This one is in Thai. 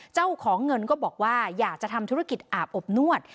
เจ้าของเงินก็บอกว่าอยากจะทำธุรกิจอาบอบนวด